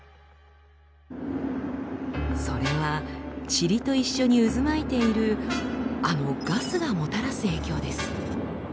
それはチリと一緒に渦巻いているあのガスがもたらす影響です。